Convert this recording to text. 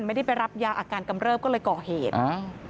ไม่ได้ไปรับยาอาการกำเริบก็เลยก่อเหตุอ่า